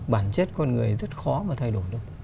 bản chất con người rất khó mà thay đổi đâu